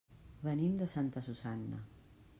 Venim de Santa Susanna.